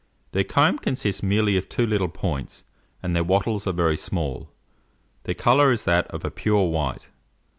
Their comb consists merely of two little points, and their wattles are very small: their colour is that of a pure white.